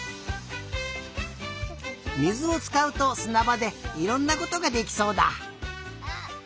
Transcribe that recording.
水をつかうとすなばでいろんなことができそうだ。